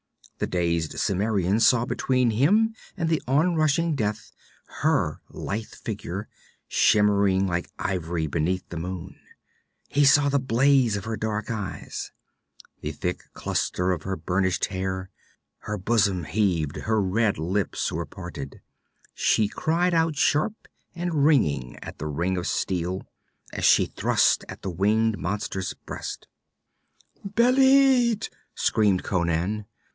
The dazed Cimmerian saw between him and the onrushing death, her lithe figure, shimmering like ivory beneath the moon; he saw the blaze of her dark eyes, the thick cluster of her burnished hair; her bosom heaved, her red lips were parted, she cried out sharp and ringing at the ring of steel as she thrust at the winged monster's breast. 'Bêlit!' screamed Conan.